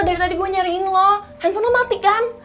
dari tadi gue nyariin lo handphone lo mati kan